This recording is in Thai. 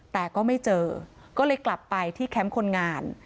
แต่ก็ไม่เจอก็เลยกลับไปที่แคมป์คนงาน